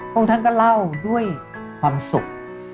องค์ท่านก็เล่าด้วยความสุข